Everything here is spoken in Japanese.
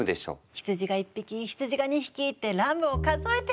羊が１匹羊が２匹ってラムを数えてるの。